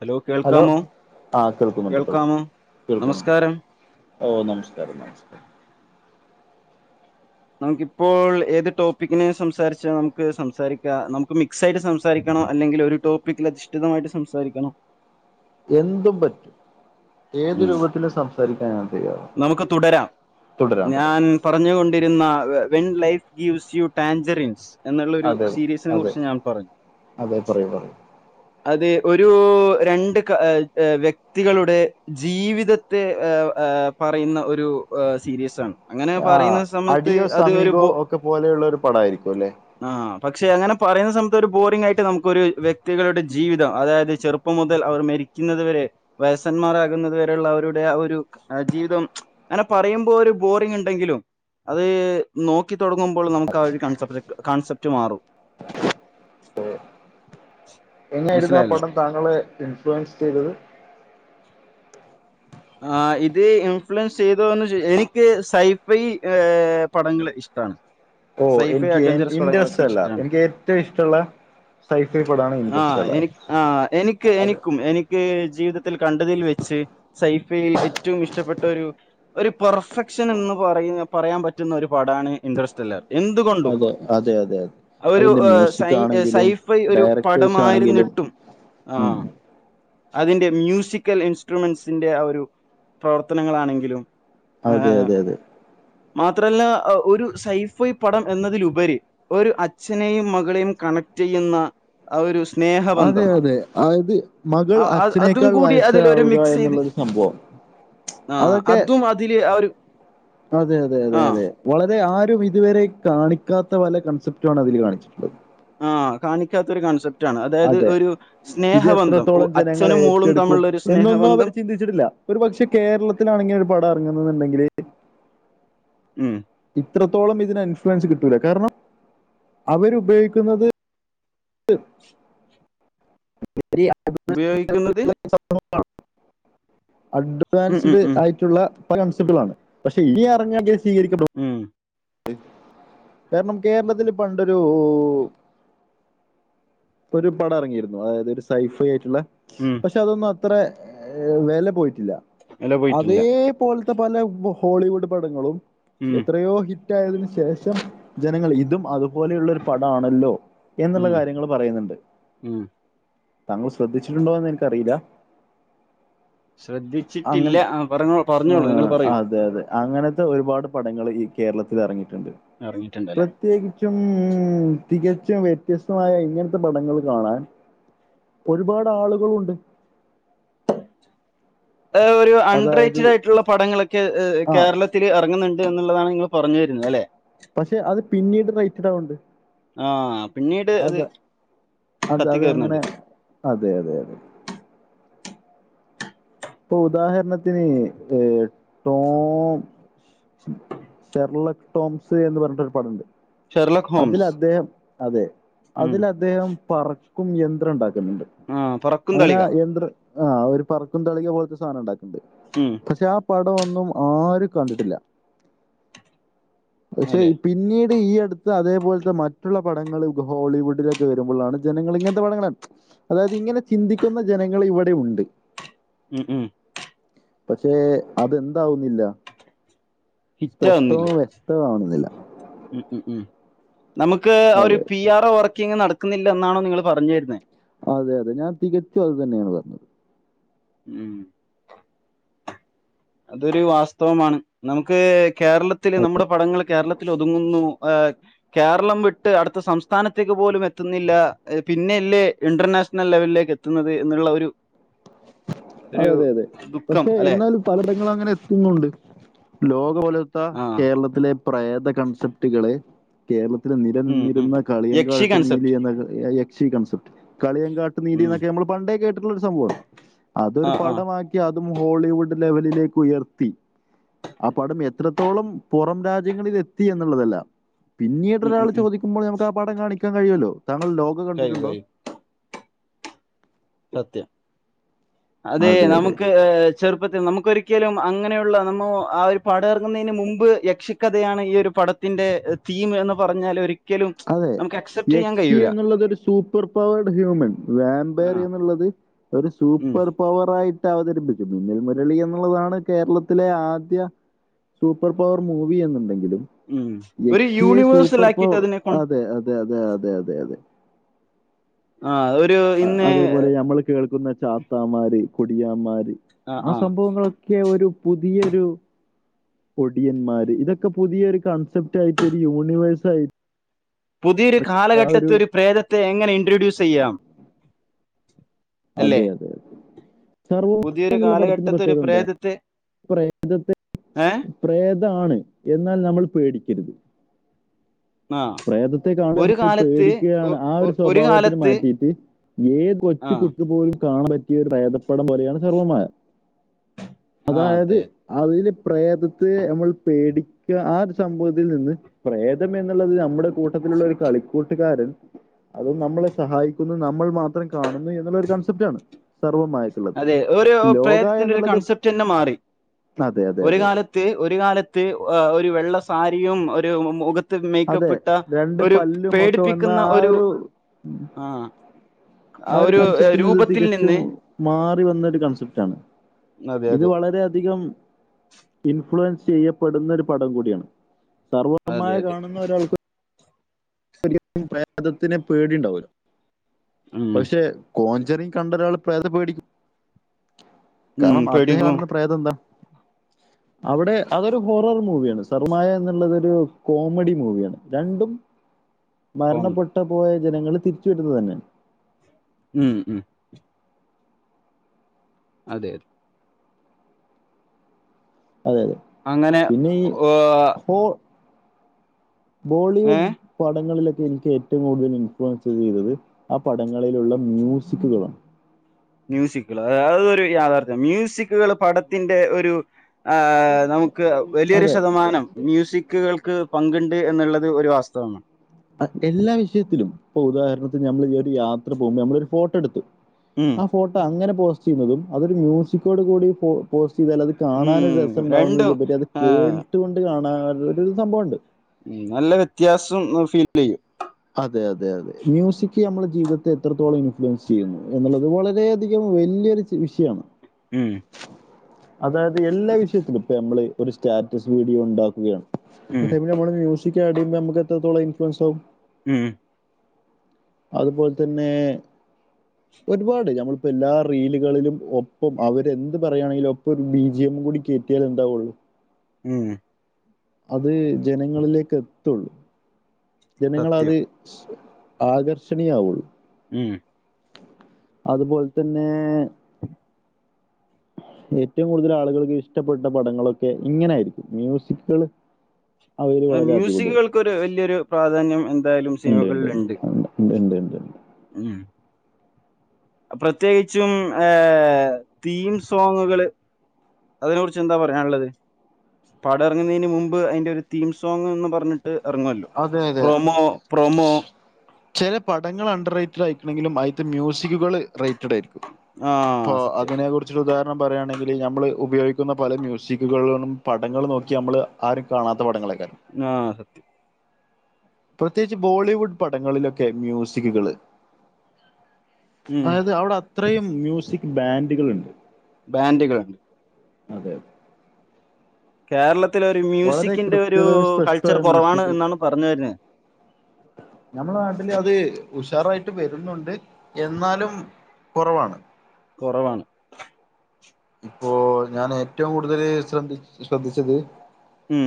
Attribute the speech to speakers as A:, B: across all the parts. A: Hello കേൾക്കാമോ,
B: ആ കേൾക്കുന്നുണ്ട് കേൾക്കുന്നുണ്ട്
A: കേൾക്കാമോ
B: കേൾക്കുന്നുണ്ട്
A: നമസ്കാരം
B: ഓ നമസ്കാരം നമസ്കാരം
A: നമുക്കിപ്പോൾ ഏത് ടോപ്പിക്കിനേ സംസാരിച്ചാ നമുക്ക് സംസാരിക്കാം നമുക്ക് മിക്സ് ആയിട്ട് സംസാരിക്ക് സാരിക്കണോ അല്ലെങ്കിൽ ഒരു ടോപ്പിക്കിലധിഷഠിതമായിട്ട് സംസാരിക്കണോ
B: എന്തും പറ്റും. ഏത്
A: ഉം.
B: രൂപത്തിലും സം ഉപയോഗിക്കാൻ അറിയൊ
A: നമുക്ക് തുടരാം
B: തുടരാം
A: ഞാൻ പറഞ്ഞുകൊണ്ടിരുന്ന when life gives you tangerines എന്നുള്ളൊരു
B: അതെ
A: സീരീസിനെ
B: അതെ
A: കുറിച്ച് ഞാൻപറഞ്ഞു
B: അതെ പറയൂ പറയൂ
A: അതെ ഒരൂ രണ്ട് ക വ്യക്തികളുടെ ജീവിത ത്തെ എ ഏ പറയുന്ന ഒരു സീരീസാണ്
B: ആ അടിയോ സമീഗോ
A: ബോ-
B: ഒക്കെ പോലെയുള്ളൊരു പടായിരിക്കും അല്ലെ
A: ആ പക്ഷെ അങ്ങനെ പറയുന്ന സമയത്തൊരു ബോറിങ്ങായിട്ട് നമുക്കൊരു വ്യക്തികളുടെ ജീവിതം അതായത് ചെറുപ്പ് പ്പം മുതൽ അവർ മരിക്കുന്നതുവരെ വയസന്മാരാകുന്നതു വരെയുള്ളവരുടെ ആ ഒരു ആജ് ജീവിതം അങ്ങനെ പറയുമ്പോ ഒരു ബോറിങ്ങുണ്ടെങ്കിലും അതേ നോക്കി തുടങ്ങുമ്പോൾ നമുക്കാ ഒരു കൺസെപ്പര കാൺസെപ്റ്റ് മാറും
B: എങ്ങനായിരുന്നു ആ
A: മനസ്സിലായല്ലോ
B: പടം താങ്കളെ ഇൻഫ്ലുവൻസ് ചെയ്തത്
A: ആ ഇതേ ഇൻഫ്ലുവൻസ് ചെയ്തോന്ന് ചോ എനിക്ക് സൈഫൈ പടങ്ങളെ ഇഷ്ട് താണ്
B: ഓ എനിക്ക് ഇന്റെസ്റ്റല്ല എനിക്കേറ്റവും ഇഷ്ട്ടോള്ള
A: ആ എനിക്ക് ആ എനിക്കെ
B: അതെ
A: എനിക്കും എനിക്ക് ക്കെ ജീവിതത്തിൽ കണ്ടതിൽ വെച്ച് സൈഫയിൽ ഏറ്റവും ഇഷ്ടപ്പെട്ടൊരു ഒരു പെർഫെക്ഷൻ എന്ന് പറയുന്ന പറയാൻ പറ്റുന്ന ഒരു പടാണ് ഇന്ട്രെസ്റ്റ് ത്തില്ല എന്തുകൊണ്ടും
B: അതെ അതെ അതെ അതെ
A: അതൊരു
B: അതിന്റെ
A: ഏ സൈ
B: മ്യൂസിക് ആണെങ്കിലും
A: സൈഫൈ ഒരു
B: ഡയറക്ടേഴ്സ് ആണെങ്കിലും
A: പടമായിരുന്നിട്ടും ആ
B: ഉം
A: അതിന്റെ മ്യൂസിക്കൽ ഇൻസ്ട്രുമെന്റ്സിന്റെ ആ ഒരു പ്രവർത്തനങ്ങളാണെങ്കിലും
B: അതെ
A: ആഹ്
B: അതെ അതെ
A: മാത്രല്ല ഒരു സൈഫയ് പടം എന്നതിലുപരി ഒരു അച്ഛനെയും മകളെയും കണക്ട് ചെയ്യുന്ന ആ ഒരു സ്നേഹം
B: അതെ അതെ അത് മകൾ
A: അ- അതും
B: അച്ഛനേക്കാൾ
A: കൂടി അതിലൊരു
B: വയസ്സാവുക
A: മിക്സ് ചെയ്ത്
B: എന്നുള്ളൊരു സംഭവം
A: ആ
B: അതൊക്കെ
A: അതും അതില് ആ ഒരു
B: അതെ അതെ അതെ
A: ആ
B: അതെ വളരെ ആരും ഇതുവരെ കാണിക്കാത്ത പല കൺസെപ്റ്റുമാണ് അതിലു കാണിച്ചിട്ടുള്ളത്
A: ആഹ് കാണിക്കാത്തൊരു കൺസെപ്റ്റ് റ്റാണ് അതായത്
B: അതെ
A: ഒരു
B: ഇത്
A: സ്നേഹബന്ധം ഓ
B: എത്രത്തോളം ജനങ്ങൾ
A: അച്ഛനും മോളും തമ്മിലുള്ളൊരു സ്നേഹബന്ധം
B: ച്ചിട്ടില്ല ഒരു പക്ഷെ കേരളത്തിലാണിങ്ങനൊരു പടം ഇറങ്ങുന്നുണ്ടെങ്കിലെ
A: ഉം
B: ഇത്രത്തോളം ഇതിന് ഇൻഫ്ലുവൻസ് കിട്ടൂല്ല കാരണം അവരുപയോഗിക്കുന്നത് അ [unintelligible]
A: ഉപയോഗിക്കുന്നത്
B: [unintelligible]
A: ഉം ഉം
B: അഡ്വാൻസ്ഡ്
A: ഉം
B: ആയി ള്ള പലസ്ബ്ദങ്ങളാണ് പക്ഷെ ഇനി അറിഞ്ഞാ സ്വീകരിക്കപ്പെടുമോ
A: ഉം
B: കാരണം കേരളത്തില് പണ്ടൊരൂ ഒരു പടം ഇറങ്ങിയിരുന്നു അതായത് ഒരു സൈഫ ആയിട്ടുള്ള
A: ഉം
B: ച്ച് അതൊന്നും അത്ര വെല പോയിട്ടില്ല
A: ഇല
B: അതേ
A: പോയിട്ടില്ല
B: ഇപ്പോലത്തെ പല ഹോളിവുഡ് പടങ്ങളും
A: ഉം
B: എത്രയോ ഹിറ്റ് ഹിറ്റായതിനുശേഷം ജനങ്ങൾ ഇതും അതുപോലെയുള്ളൊരു പടാണല്ലോ എ ന്നുള്ള
A: ഉം
B: കാര്യങ്ങൾ പറയുന്നുണ്ട്
A: ഉം
B: താങ്കൾ ശ്രദ്ധിച്ചിട്ടുണ്ടോ എന്ന് എനക്കറീല്ല അങ്ങൻ
A: ശ്രദ്ധിച്ചിട്ടില്ല ആ പറഞ്ഞോ പറഞ്ഞോളൂ നിങ്ങള്
B: ആഹ്
A: പറയൂ
B: അതെ അതെ അങ്ങനത്തെ ഒരുപാട് പടങ്ങൾ ഈ കേരളത്തിൽ എറങ്ങീട്ട്ണ്ട്
A: എർങ്ങിട്ട്ണ്ട്ല്ലേ
B: പ്രത്യേകിച്ചും തികച്ചും വ്യത്യസ്തമായ ഇങ്ങനത്തെ പടങ്ങൾ കാണാൻ ഒരുപാടാളുകളുണ്ട്
A: ഒരു
B: അതായത്
A: അൺറേറ്റഡ് ആയിട്ടുള്ള പടങ്ങളൊക്കെ
B: ആ
A: കേരളത്തി ത്തിൽ എറങ്ങുന്നുണ്ട് എന്നുള്ളതാണ് നിങ്ങൾ പറഞ്ഞു വരുന്നത് അല്ലെ
B: പക്ഷെ അത് പിന്നീട് റൈറ്റിടുണ്ട്
A: ആ പിന്നീട് അത്
B: അതാ അത
A: കത്തി കയറുന്നുണ്ട്
B: അതങ്ങനെ അതെ അതെ അതെ ഇപ്പൊ ഉദാഹരണത്തിന് ട്ടോം ഷെർലക് ടോംസ് എന്ന് പറഞ്ഞിട്ട ഒരു പടണ്ട്
A: ഷെർലക്
B: അതിൽ
A: ഹോംസ്
B: അദ്ദേഹം, അതെ
A: ഉം
B: അതിലദ്ദേഹം പറക്കും യന്ത്രം ഉണ്ടാക്കന്ന്ണ്ട്
A: ആ പറക്കും
B: അങ്ങനെ
A: തളിക
B: യന്ത്ര ആഹ് ഒരു പറക്കും തളിക പോലത്തെ സാധനം ഉണ്ടാക്ക്ണ്ട്
A: ഉം
B: പക്ഷെ ആ പടൊന്നും ആരും കണ്ടിട്ടില്ല പക്ഷെ
A: അല്ലെ
B: പിന്നീട് ഈ അടു അതേപോലത്തെ മറ്റുള്ള പടങ്ങൾ ഹോളിവുഡിലൊക്കെ വരുമ്പോളാണ് ജനങ്ങൾ ഇങ്ങനത്തെ പടങ്ങളാണ് അതായത് ഇങ്ങനെ ചിന്തിക്കുന്ന ജനങ്ങൾ ഇവിടെ ഉണ്ട്
A: ഉം ഉം
B: പക്ഷെ അതെന്താവുന്നില്ല
A: ഹിറ്റാവുന്നില്ല
B: സ്പഷ്ടവും വ്യക്തമാവുന്നില്ല.
A: ഉം ഉം നമുക്ക് ആ ഒരു
B: അതെ
A: പി ആർ ഒ വർക്കിങ്ങ് നടക്കുന്നില്ല എന്നാണോ നിങ്ങള് പറഞ്ഞു വരുന്നേ
B: അതെ അതെ ഞാൻ തികച്ചും അത് തന്നെയാണ് പറഞ്ഞത്
A: ഉം അതൊരു വാസ്തവമാണ് നമുക്ക് കേരളത്തില് നമ്മുടെ പടങ്ങൾ കേരളത്തിലൊതു തുങ്ങുന്നു ആഹ് കേരളം വിട്ട് അടുത്ത സംസ്ഥാനത്തേക്ക് പോലും എത്തുന്നില്ല പിന്നെല്ലേ ഇന്റർനാഷണൽ ലെവലിലേക്ക് എത്ത ത്തുന്നത് എന്നുള്ള ഒരു ഒരു
B: അതെ അതെ അതെ
A: ദുഃഖം
B: പക്ഷെ
A: അല്ലെ
B: എന്നാലും പലടങ്ങളങ്ങനെ എത്തുന്നുണ്ട് ലോക പോലത്ത
A: ആഹ്
B: കേരളത്തിലെ പ്രേത കൺസെപ്റ്റുകള് കേരളത്തിലെ
A: ഉം ഉം
B: നിലനിന്നിരുന്ന
A: യക്ഷി
B: കളിയങ്കാട്ട് നീലി
A: കൺസെപ്റ്റ്
B: എന്ന യക്ഷീ കൺസപ്റ്റ് കളിയംകാട്ട്
A: ഉം
B: നീലിന്നക്കെ നമ്മൾ പണ്ടേ കേട്ടുള്ളരു സംഭവാണ് അതൊരു
A: ആഹ് ആഹ്
B: പടമാക്കി അതും ഹോളിവുഡ് ലെവലിലേക്കുയർത്തി ആ പടം എത്രത്തോളം പൊറം രാജ്യങ്ങളിലെത്തി എന്ന്ള്ളതല്ല
A: ഉം
B: പിന്നീടൊരാൾ
A: ഉം ഉം
B: ചോദിക്കുമ്പോൾ നമുക്ക് ആ പടം കാണിക്കാൻ കഴിയല്ലോ. താങ്കൾ ലോക
A: കഴിയും
B: കണ്ടിട്ടുണ്ടോ
A: കഴിയും സത്യം അതെ നമുക്ക് ഏ ചെറുപ്പത്തിൽ നമുക്കൊരിക്കലും അങ്ങനെയുള്ള നമ്മൾ ആ ഒരു പടം എറങ്ങുന്നതിന് മുമ്പ് യക്ഷിക്കഥയാണ് ഈ ഒരു പടത്തി ത്തിന്റെ തീം എന്ന് പറഞ്ഞാൽ ഒരിക്ക
B: അതെ യക്ഷി എന്നുള്ളത് ഒരു സൂപ്പർ പവേർഡ് ഹ്യൂമൻ വാമ്പയർ
A: ആഹ്.
B: എന്നുള്ളത് ഒരു
A: മ്മ്.
B: Super power ആയിട്ടവതരിപ്പിച്ചു. മിന്നൽ മുരളി എന്നുള്ളതാണ് കേരളത്തിലെ ആദ്യ സൂപ്പർ പവർ മൂവി എന്നുണ്ടെങ്കിലും,
A: മ്മ്. ഒരു
B: യക്ഷിയെ
A: യൂണിവേഴ്സൽ
B: സൂപ്പർ
A: ആക്കിയിട്ട്
B: പവർ
A: അതിനെ കൊ
B: അതെ അതെ അതെ അതെ അതെ യതെ
A: ആ ഒരു ഇന്ന്
B: അതേപോലെ ഞമ്മൾ കേൾക്കുന്ന ചാത്താമാര്, കൊടിയാമാര്
A: ആഹ്,
B: ആ
A: ആഹ്.
B: സംഭവങ്ങൊളൊ ക്കെ ഒരു പുതിയൊരു ഒടിയന്മാര് ഇതൊക്കെ പുതിയൊരു കൺസെപ്റ്റ് ആയിറ്റ് ഒരു യൂണിവേഴ്സ് ആയി
A: പുതിയൊരു കാലഘട്ടത്ത് ഒരു പ്രേതത്തെ എങ്ങനെ ഇൻട്രഡ്യൂസെയ്യാം?
B: അതെ അതെതെ സർവ
A: പുതിയൊരു
B: എന്നുള്ള പടത്തിന്റെ
A: കാലഘട്ടത്തെ ഒരു
B: പ്രത്യേകതന്താ പ്രേതത്തെ.
A: ഏ
B: പ്രേതാണ് എന്നാൽ നമ്മൾ പേടിക്കരുത്.
A: ആഹ്.
B: പ്രേതത്തെ കാണൽ
A: ഒരു
B: നമ്മൾ
A: കാലത്ത് ഒ
B: പേടിക്കുകയാണ് ആ
A: ഒ
B: ഒരു സ്വഭാവത്തിന്
A: കാലത്ത്
B: മാറ്റിട്ട്. ഏ കൊച്ചു
A: ആഹ്.
B: കുട്ടി പോലും കാണ പറ്റ ഇ ഒരു പ്രേതപ്പെടം പോലെയാണ് സർവമായ,
A: ആഹ്
B: അതായത്
A: അതെ.
B: അതില് പ്രേതത്തെ നമ്മൾ പേടിക്ക ആ ഒരു സംഭവത്തിൽ നിന്ന്. പ്രേതം എന്നുള്ളത് നമ്മുടെ കൂട്ടത്തിലുള്ളരു കളിക്കൂട്ടുകാരൻ. അതും നമ്മളെ സഹായിക്കുന്നു നമ്മൾ മാത്രം കാണുന്നു എന്നുള്ളരു കൺസെപ്റ്റ് ആണ്.
A: അതെ ഒരു പ്രേതത്തിന്റെ ഒരു
B: എന്നുള്ളത്
A: കൺസെപ്റ്റ് തന്നെ മാറി
B: അതെ അതെ
A: ഒര്
B: അതെ
A: കാലത്ത് ത്ത് ഒരു കാലത്ത് ഒരു വെള്ള സാരിയും ഒരു മു മുഖ [unintelligible]
B: അതെ
A: മേയ്ക്കപ്പ്ട്ട
B: രണ്ട്
A: ഒരു
B: പല്ലും ഒക്കെ വന്ന
A: പേടിപ്പിക്ക്‌ന്ന
B: ആ
A: ഒരു ആഹ് ആ ഒരു
B: കൺസെപ്റ്റ് എന്നത്
A: രൂപത്തിൽ
B: തികച്ചും
A: നിന്ന്.
B: മാറി വന്നൊരു കൺസെപ്റ്റാണ്
A: അതെ
B: ഇത്
A: അതെ
B: വളരെ അധികം. ഇൻഫ്ലുവൻസ് ചെയ്യപ്പെടുന്ന ഒരു പടം കൂടിയാണ്
A: അതെ
B: സർവമായ
A: അതെ
B: കാണുന്ന ഒരാൾക്ക് ഒ പ്രേതത്തിനെ പേടിണ്ടാവുലോ
A: ഉം
B: പക്ഷെ കോഞ്ചെറിങ്‌ കണ്ട ഒരാള് പ്രേതത്തെ പേടിക്കും
A: ഉം
B: കാരണം അദ്ദേഹം
A: പേടിക്കും
B: ആണെന്ന് പ്രേതം എന്താ
A: [inaudible]
B: അവിടെ അതൊരു ഹോറർ മൂവിയാണ് സർവംമായ എന്നുള്ളതൊരു കോമഡി മൂവിയാണ് രണ്ടും.
A: കോമഡി
B: മരണപ്പെട്ട് പോയ ജനങ്ങള് തിരിച്ചു വരുന്നത് തന്നെ
A: ഉം ഉം അതെ അതെ.
B: അതെ അതെ
A: അങ്ങനെ
B: പിന്നെ ഈ
A: ഏഹ്,
B: ഹോ ബോളിവു
A: ഏ
B: പടങ്ങളിലൊക്കെ എനിക്ക് ഏറ്റവും കൂടുതൽ ഇൻഫ്ലുവൻസ് ചെയ്തത് ആ പടങ്ങളിലുള്ള മ്യൂസിക്കുകളാണ്.
A: മ്യൂസിക്കുകൾ അ അതൊരു യാഥാർഥ്യം മ്യൂസിക്കുകൾ പടത്തിന്റെ ഒരു ആഹ് നമുക്ക് വലിയൊരു
B: അതെ
A: ശതമാനം. മ്യൂസിക്കുകൾക്ക് പങ്കുണ്ട് എന്നുള്ളത് ഒരു വാസ്തവമാണ്
B: അ എല്ലാ വിഷയത്തിലും ഇപ്പൊ ഉദാഹരണത്തിന് ഞമ്മൾ ഒരു യാത്ര പോകുമ്പോ ഞമ്മള ഒരു ഫോട്ടോ ഇട്ത്തു
A: ഉം.
B: ആ ഫോട്ട അങ്ങനെ പോസ്റ്റ് ചെയ്യുന്നതും അതൊരു മ്യൂസിക്കോട് കൂടി പോ പോസ്റ്റ് ചെയ്താൽ അത്.
A: ഉം
B: കാണാൻ ഒരു
A: രണ്ടും
B: രസമുണ്ടാവുന്നതിലുപരി അത്
A: ആ
B: കേട്ട് കൊണ്ട് കാണാൻ ഒരു സംഭവണ്ട്
A: ഉം നല്ല വെത്യാസം ഫീൽ ചെയ്യും
B: അതെ അതെ അതെ മ്യൂസിക് ഞമ്മളെ ജീവിതത്തെ എത്രത്തോളം ഇൻഫ്ലുവൻസ് ചെയ്യുന്നു എന്നുള്ളത് വളരെയധികം വലില്ല്യരു വിഷയാണ്.
A: ഉം.
B: അതായത് എല്ലാ വിഷയത്തിലും ഇപ്പ ഞമ്മള് ഒരു സ്റ്റാറ്റസ് വീഡിയോ ഉണ്ടാക്കുകയാണ്. അ
A: ഉം
B: ടൈമ് നമ്മള് മ്യൂസിക് അഡ് ചെയ്യുമ്പോ നമക്ക് എത്രത്തോളം ഇൻഫ്ലുവൻസ് ആവും.
A: ഉം
B: അതുപോൽ തന്നെ.
A: [inaudible]
B: ഒരുപാട് ഞമ്മളിപ്പോ എല്ലാ റീലുകളിലും ഒപ്പം അവരെന്ത് പറയുകയാണെങ്കിലും ഒപ്പം ഒരു ബി ജി എമ്മും കൂടി കേ കേത് ഇണ്ടാവൊള്ളു
A: ഉം.
B: അത് ജനങ്ങളിലേക്കെത്തുള്ളൂ. ജനങ്ങൾ അത്
A: സത്യം
B: ആകർഷണീയാവുള്ളു
A: ങ്
B: അതുപോൽ തന്നെ. ഏറ്റവും കൂടുതൽ ആളുകൾക് ഇഷ്ടപ്പെട്ട പടങ്ങളൊക്കെ ഇങ്ങെനായിരിക്കും മ്യൂസിക്കള്
A: ഏ മ്യൂസിക്കുകൾക്കൊരു വല്ലിയൊരു പ്രാധാന്യം എന്തായാലും സിനിമകളിലിണ്ട്.
B: ഇണ്ട് ഇണ്ട് ഇണ്ട്
A: ഉം പ്രത്യേകിച്ചും ഏഹ് തീം സോങ്ങുകള് അതിനെ കുറിച്ച് എന്താ പറയാനുള്ളത്. പാട എറങ്ങുന്നെന് മുമ്പ് അതിന്റെ ഒരു തീം സോങ്ങ് എന്ന് പറഞ്ഞി [unintelligible] എറങ്ങല്ലോ
B: അതെ
A: പ്രോമോ പ്രോമോ
B: ചെല പടങ്ങൾ അണ്ടർ റേറ്റഡ് ആയിക്കണമെങ്കിലും ആയിത്തെ മ്യൂസിക്കുകൾ റേറ്റഡ് ആയിരിക്കും. ഇപ്പോ
A: ആഹ് സത്യം
B: അതിനെ കുറിച്ചിട്ട് ഉദാഹരണം പറയാണെങ്കില് ഞമ്മള് ഉപയോഗിക്കുന്ന പല മ്യൂസിക്കുകളൊന്നും പടങ്ങൾ നോക്കി നമ്മള് ആരും കാണാത്ത പടങ്ങളെ [unintelligible]
A: നാ സത്യം.
B: പ്രത്യേകിച്ച് ബോളിവുഡ് പടങ്ങളിലൊക്കെ മ്യൂസിക്കുകള്
A: ഉം
B: അതായത് അവിടെ അത്രയും മ്യൂസിക് ബാൻഡുകളിണ്ട്.
A: ബാൻഡുകൾ
B: അതെ.
A: കേരളത്തിലെ ഒരു
B: വളരെ
A: മ്യൂസിക്കിന്റെ ഒരു
B: കൃത്യതയും
A: കൾച്ചർ
B: സ്പഷ്ടമായ
A: കുറവാണ്
B: മ്യൂസിക്
A: എന്നാണ് പറഞ്ഞു വരുന്നത്
B: ഞമ്മുളെ നാട്ടില് അത് ഉഷാറായിട്ട് വരുന്നുണ്ട് എന്നാലും കൊറവാണ്.
A: കൊറവാണ്.
B: ഇപ്പോ ഞാൻ ഏറ്റവും കൂടുതല് ശ്രദ്ധി ശ്രദ്ധിച്ചത്
A: ഉം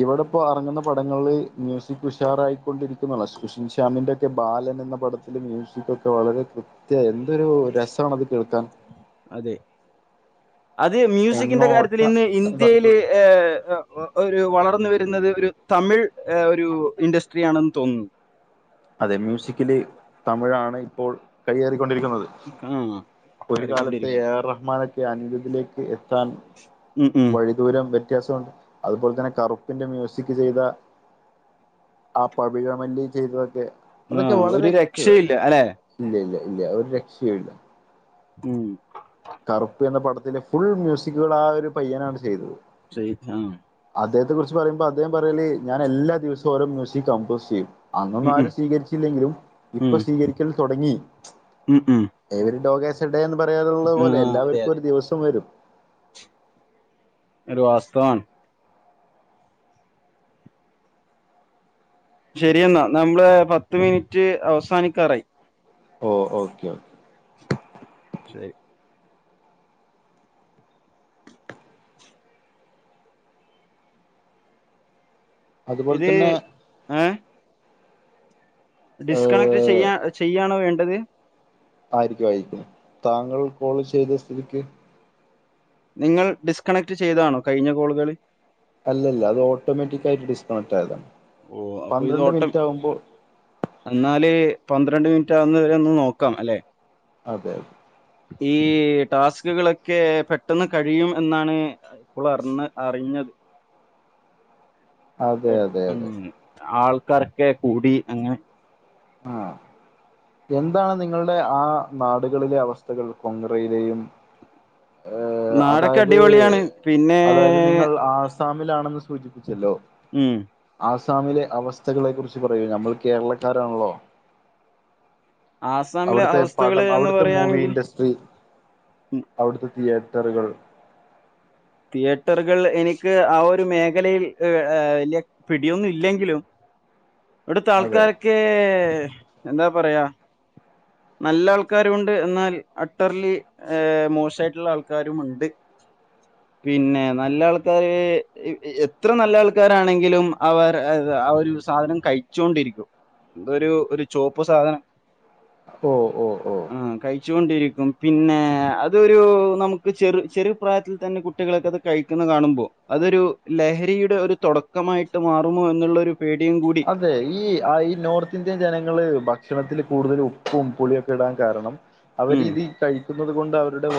B: ഇവിടെ ഇപ്പോ ഇറങ്ങുന്ന പടങ്ങളില് മ്യൂസിക് ഉഷാറായിക്കൊണ്ടിരിക്കുന്നള്ള സുഷിൻ ശ്യാമിന്റെ ഒക്കെ ബാലൻ എന്ന പടത്തി അതില് മ്യൂസികൊ ക്കെ വളരെ കൃത്യ എന്തൊരു രസണത് കേൾക്കാൻ
A: അതെ അത് മ്യൂസിക്കിന്റെ കാര്യത്തിൽ
B: എങ്ങോട്ട
A: ഇന്ന് ഇന്ത്യല് എഹ് ഒ ഒരു വളർന്നു വരുന്നത് ഒരു തമിഴ് ഒരു ഇൻഡസ്ട്രി ആണെന്ന് തോന്നുന്നു
B: അതെ മ്യൂസിക്കില് തമിഴാണ് ഇപ്പോൾ കൈയേറിക്കൊണ്ടിരിക്കുന്നത്.
A: ആ
B: ഒരു കാലത്തെ എ
A: കയറിക്കൊണ്ടിരിക്കുന്നു
B: ആർ റഹ് മാനൊക്കെ [unintelligible] എത്താൻ
A: ഉം, ഉം.
B: വഴിദൂരം വ്യത്യാസമുണ്ട്, അതുപോലെ തന്നെ കറുപ്പിന്റെ മ്യൂസിക് ചെയ്ത ആ പവിഴ മല്ലി ചെയ്തതൊക്കെ
A: ആ,
B: അതൊക്കെ
A: ഒരു
B: വളരെ കൃത്യത
A: രക്ഷയില്ല അല്ലേ
B: ഇല്ല ഇല്ല ഇല്ല ഒരു രക്ഷയു ല്ല
A: മ്
B: കറുപ്പ് എന്ന പടത്തിലെ ഫുൾ മ്യൂസിക്കുകൾ ആ ഒരു പയ്യനാണ് ചെയ്തത്
A: ചെയ്ത
B: അദ്ദേഹത്തെ കുറിച്ച് പറയുമ്പോ അദ്ദേഹം പറയല് ഞാൻ എല്ലാ ദിവസവും ഓരോ മ്യൂസിക് കമ്പോസ് ചെയ്യും.
A: ഉം, ഉം,
B: അന്നൊന്നാരും സ്വീകരിച്ചില്ലെങ്കിലും ഇപ്പ
A: ഉം,
B: സ്വീകരിക്കൽ തൊടങ്ങി.
A: ഉം, ഉം.
B: എവരി ഡോഗേസ്‌ ഡേ എന്ന് പറയാറുള്ളത്
A: ആ,
B: പോലെ
A: അതെ
B: എല്ലാവർക്കും
A: അതെ
B: ഒരു ദിവസം വരും.
A: ഒരു [unintelligible] ശെരിയെന്നാ നമ്മള് പത്ത് മിനിറ്റ് അവസാനിക്കാറായ്.
B: Oh okay okay.
A: ശരി
B: അതുപോലെ
A: ഇത്
B: തന്നെ
A: ഏ ഡിസ്കണക്ട്
B: ഏഹ്,
A: ചെയ്യ ചെയ്യാണോ വേണ്ടത്.
B: ആയിരിക്കും ആയിരിക്കും താങ്കൾ കോള് ചെയ്ത സ്ഥിതിക്ക്
A: നിങ്ങൾ ഡിസ്കണക്ട് ചെയ്തതാണോ കഴിഞ്ഞ കോളുകള്.
B: അല്ലല്ല അത് ഓട്ടോമാറ്റിക് ആയിട്ട് ഡിസ്കണക്റ്റ് ആയതാണ്
A: ഓഹ് അപ്പ ഇത്
B: പന്ത്രണ്ട്
A: ഓട്ടം
B: മിനിറ്റ് ആകുമ്പോൾ
A: എന്നാല് പന്ത്രണ്ട് മിനിറ്റ് ആകുന്ന വരെ ഒന്ന് നോക്കാം അല്ലെ.
B: അതെ അത്
A: ഈ ടാസ്കുകളൊക്കെ പെട്ടെന്ന് കഴിയും എന്നാണ് [unintelligible] ഇപ്പോള അറിണ് അറിഞ്ഞത്.
B: അതെ
A: പെ
B: അതെ
A: ഉം
B: അതെ
A: ആൾക്കാരൊക്കെ കൂടി അങ്ങനെ
B: ആഹ്. എന്താണ് നിങ്ങളുടെ ആ നാട്കളിലെ അവസ്ഥകൾ കൊങ്ക്രയിലെയും? ഏ
A: നാടൊക്കെ
B: അതായത്
A: അടിപൊളിയാണ്. പിന്നെ
B: അതായത് നിങ്ങൾ ആസാമിലാണെന്ന് സൂചിപ്പിച്ചല്ലോ.
A: ഉം
B: ആസാമിലെ അവസ്ഥകളെ കുറിച്ച് പറയൂ നമ്മൾ കേരളക്കാരാണല്ലോ?
A: ആസാമിലെ
B: അവിട്ത്തെ
A: അവസ്ഥകള്
B: പടം
A: എന്ന്
B: അവിട്ത്തെ മൂവി
A: പറയാണെങ്കിൽ
B: ഇൻഡ സ്ട്രി
A: ഉം
B: അവിട്ത്തെ തിയേറ്ററുകൾ.
A: തിയേറ്ററ്കൾ എനിക്ക് ആ ഒരു മേഖലയിൽ ഏ ഏ വല്യ പിടിയൊന്നും ഇല്ലെങ്കിലും അവിടുത്തെ
B: അതെ
A: ആൾക്കാരൊക്കെ എന്താ പറയാ നല്ല ആൾക്കാരുണ്ട് എന്നാൽ അട്ടർലി മോശയിട്ട്ള്ള ആൾക്കാരുമുണ്ട്. പിന്നെ നല്ല ആൾക്കാര് എത്ര നല്ല ആൾക്കാരാണെങ്കിലും അവർ ആ ഒരു സാധനം കയ്ച്ചോണ്ടിരിക്കും ഒരു ഒരു ചോപ്പ് സാധനം.
B: ഓ ഓ ഓ
A: ആഹ് കയ് ച്ചോണ്ടിരിക്കും പിന്നെ അതൊരു നമുക്ക് ചെറു ചെറു പ്രായത്തിൽ തന്നെ കു കുട്ടികളൊക്കെ അത് കഴിക്കുന്നത് കാണുമ്പോ അതൊരു ലഹരിയുടെ ഒരു തുടക്കമായിട്ട് മാറുമോ എന്നുള്ളരു പേടിയും കൂടി.
B: അതെ ഈ ആ ഈ നോർത്ത് ഇന്ത്യൻ ജനങ്ങള് ഭക്ഷണത്തിൽ കൂടുതൽ ഉപ്പും പുളിയൊക്കെ ഇടാൻ കാരണം
A: ഉം
B: അവര്ത് കഴിക്കുന്നുന്നത് കൊണ്ട് അവരുടെ വാ